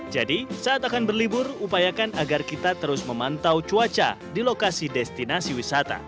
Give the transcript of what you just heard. jadi saat akan berlibur upayakan agar kita terus memantau cuaca di lokasi destinasi wisata